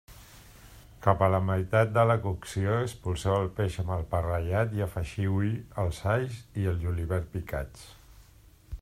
Cap a la meitat de la cocció, empolseu el peix amb el pa ratllat i afegiu-hi els alls i el julivert picats.